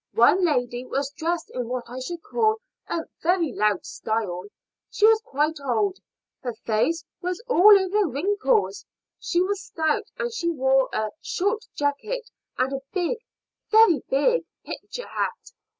One lady was dressed in what I should call a very loud style. She was quite old. Her face was all over wrinkles. She was stout, and she wore a short jacket and a big very big picture hat."